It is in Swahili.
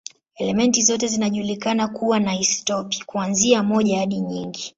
Elementi zote zinajulikana kuwa na isotopi, kuanzia moja hadi nyingi.